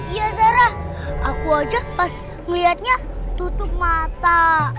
iya zara aku aja pas ngeliatnya tutup mata